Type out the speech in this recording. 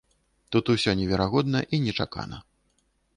Тут усё неверагодна і нечакана.